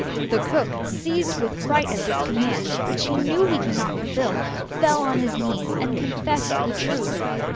The cook, seized with fright at this command, which he knew he could not fulfil, fell on his knees, and confessed the truth.